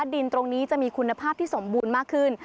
ดินตรงนี้จะมีคุณภาพที่สมบูรณ์มากขึ้น